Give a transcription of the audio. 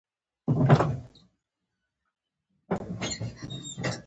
په همدې وېره کې چې څه وشول او څه به کېږي.